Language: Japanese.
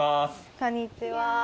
こんにちは。